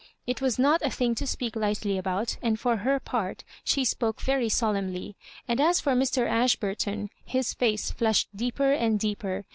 It was not a thing to speak lightly about, and for her part she spoke very solemnly ; and as for Mr. Ashburton, his face flushed deeper and deeper.